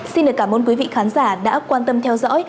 xin cảm ơn quý vị khán giả đã quan tâm theo dõi